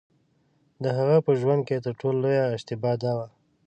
د هغه په ژوند کې تر ټولو لویه اشتباه دا وه.